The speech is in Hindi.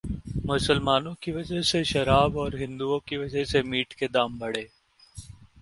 'मुसलमानों की वजह से शराब और हिंदुओं की वजह से मीट के दाम बढ़े'